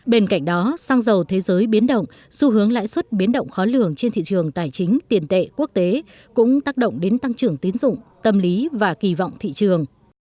bên cạnh đó xăng dầu thế giới biến động xu hướng lãi suất biến động khó lường trên thị trường tài chính tiền tệ quốc tế cũng tác động đến tăng trưởng tín dụng tâm lý và kỳ vọng thị trường